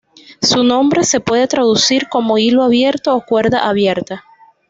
Su nombre se puede traducir como 'hilo abierto' o 'cuerda abierta'.